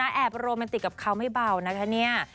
แอบโรแมนติกกับเขาไม่เบานะคะเนี่ย